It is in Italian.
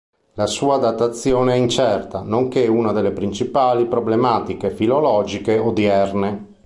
La sua datazione è incerta, nonché una delle principali problematiche filologiche odierne.